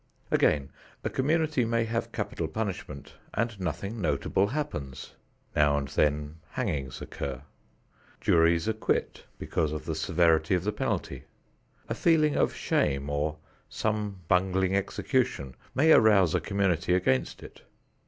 Again, a community may have capital punishment and nothing notable happens. Now and then hangings occur. Juries acquit because of the severity of the penalty. A feeling of shame or some bungling execution may arouse a community against it.